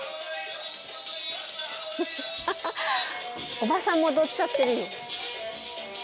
おばさんも踊っちゃってるよ。